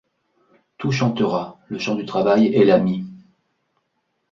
Tout chantera ; le chant du travail est l'ami ;